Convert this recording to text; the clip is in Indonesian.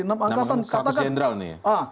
namanya seratus jendral ini ya